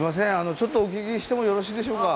ちょっとお聞きしてもよろしいでしょうか。